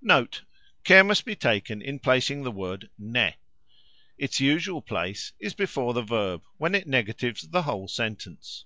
"Note". Care must be taken in placing the word "ne." Its usual place is before the verb, when it negatives the whole sentence.